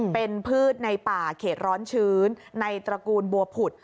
เป็นพืชในป่าเขตร้อนชื้นในตระกูลบัวผุด